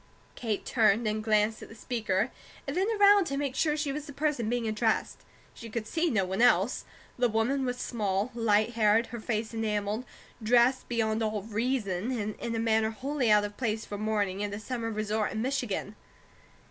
Kate turned and glanced at the speaker, and then around to make sure she was the person being addressed. She could see no one else. The woman was small, light haired, her face enamelled, dressed beyond all reason, and in a manner wholly out of place for morning at a summer resort in Michigan.